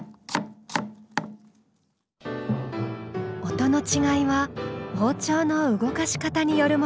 音の違いは包丁の動かし方によるもの。